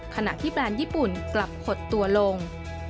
ขณะที่แบรนด์ญี่ปุ่นกลับขดตัวลง